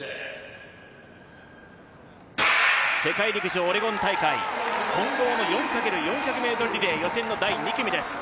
世界陸上オレゴン大会混合の４×４００ｍリレー予選の第２組です。